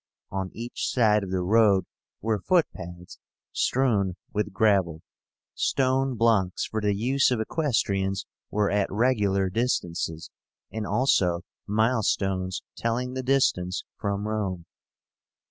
On each side of the road were footpaths strewn with gravel. Stone blocks for the use of equestrians were at regular distances, and also milestones telling the distance from Rome.